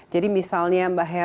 jadi misalnya mbak hira